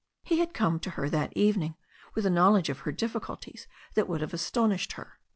He had come to her that evening with a knowledge of her difficulties that would have astonished her.